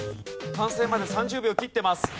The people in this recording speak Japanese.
完成まで３０秒切ってます。